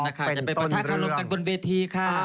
ไม่มีแล้วไหมทหารกาแกล่า